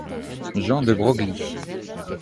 Jean de Broglie.